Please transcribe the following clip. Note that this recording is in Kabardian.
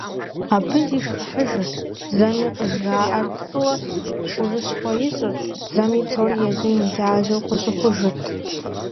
Абы зишхыхьыжырт, зэми къыжраӏар пцӏыуэ гурыщхъуэ ищӀырт, зэми псори езым и лажьэу къыщыхъужырт.